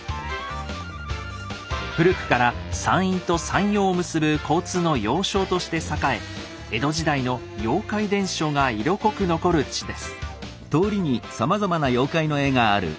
古くから山陰と山陽を結ぶ交通の要衝として栄え江戸時代の妖怪伝承が色濃く残る地です。